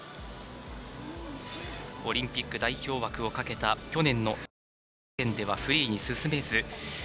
オリンピック代表枠をかけた去年の世界選手権ではフリーに進めず。